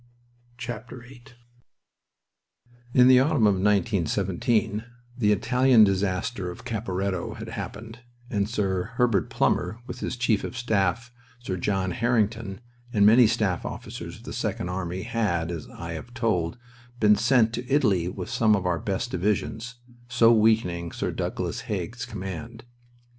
VIII In the autumn of 1917 the Italian disaster of Caporetto had happened, and Sir Herbert Plumer, with his chief of staff, Sir John Harington, and many staff officers of the Second Army, had, as I have told, been sent to Italy with some of our best divisions, so weakening Sir Douglas Haig's command.